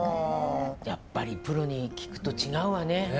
やっぱりプロに聞くと違うわね。